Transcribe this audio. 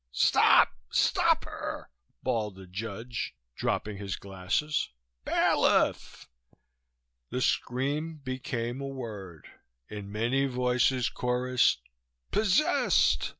"Stop, stop her!" bawled the judge, dropping his glasses. "Bailiff!" The scream became a word, in many voices chorused: _Possessed!